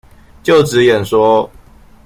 就職演說